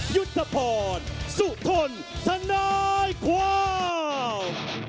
ยุทธพรสุทธนสนายกว้าว